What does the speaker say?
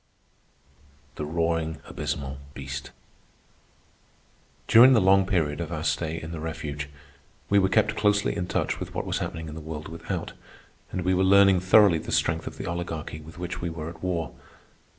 THE ROARING ABYSMAL BEAST During the long period of our stay in the refuge, we were kept closely in touch with what was happening in the world without, and we were learning thoroughly the strength of the Oligarchy with which we were at war.